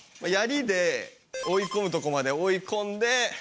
槍で追い込むとこまで追い込んで。